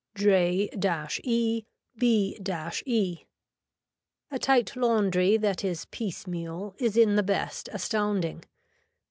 J E B E. A tight laundry that is piece meal is in the best astounding.